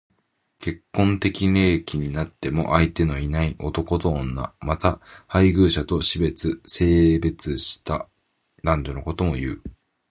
結婚適齢期になっても相手のいない男と女。また、配偶者と死別、生別した男女のことも言う。